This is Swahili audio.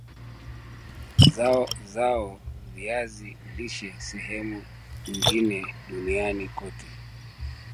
zao la viazi lishe sehemu nyingi duniani kote